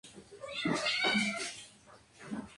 Es muy posible que estas rutas pasaran por este lugar.